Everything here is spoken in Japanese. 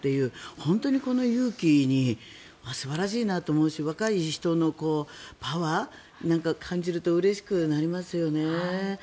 本当にこの勇気に素晴らしいなと思うし若い人のパワーなんかを感じるとうれしくなりますよね。